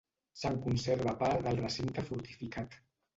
Se'n conserva part del recinte fortificat.